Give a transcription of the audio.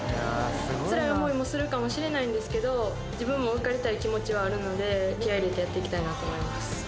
ツラい思いもするかもしれないんですけど自分も受かりたい気持ちはあるので気合入れてやっていきたいなと思います